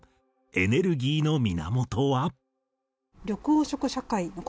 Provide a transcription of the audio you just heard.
エネルギーの源？